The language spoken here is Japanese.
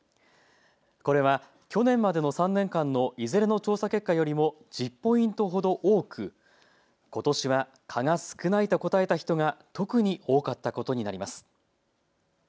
これは去年までの３年間のいずれの調査結果よりも１０ポイントほど多くことしは蚊が少ないと答えた人が特に多かったことになります。